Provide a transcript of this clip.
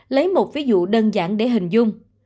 lấy một ví dụ đơn giản để hình dung